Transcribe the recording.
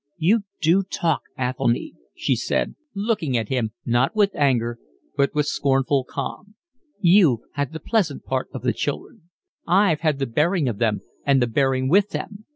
"You do talk, Athelny," she said, looking at him, not with anger but with scornful calm. "You've had the pleasant part of the children, I've had the bearing of them, and the bearing with them.